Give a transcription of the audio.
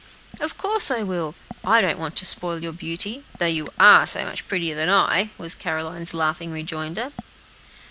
"Of course I will; I don't want to spoil your beauty, though you are so much prettier than I," was Caroline's laughing rejoinder.